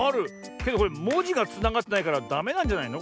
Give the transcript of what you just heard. けどこれもじがつながってないからダメなんじゃないの？